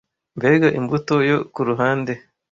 mbega imbuto yo kuruhande